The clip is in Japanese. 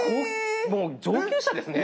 もう上級者ですね。